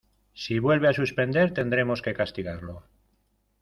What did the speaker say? Si vuelve a suspender, tendremos que castigarlo.